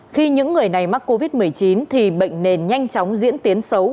khi những người này mắc covid một mươi chín thì bệnh nền nhanh chóng diễn tiến xấu